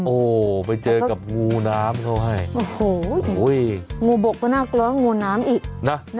โอ้โหไปเจอกับงูน้ำเขาให้โอ้โหงูบกก็น่ากลัวงูน้ำอีกนะ